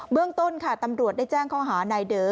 เบื้องต้นค่ะตำรวจได้แจ้งเขาหานายเดอร์